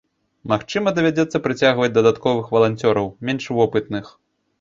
Магчыма, давядзецца прыцягваць дадатковых валанцёраў, менш вопытных.